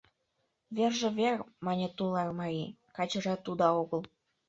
— Верже вер, — мане тулар марий, — качыжат уда огыл...